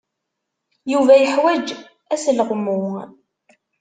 Yuba yeḥwaj asleɣmu.